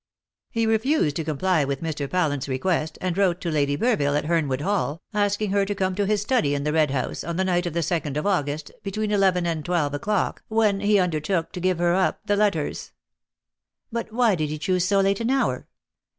He refused to comply with Mr. Pallant's request, and wrote to Lady Burville at Hernwood Hall, asking her to come to his study in the Red House on the night of the second of August between eleven and twelve o'clock, when he undertook to give her up the letters." "But why did he choose so late an hour?"